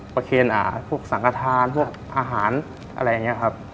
เคนพวกสังกระทานพวกอาหารอะไรอย่างนี้ครับ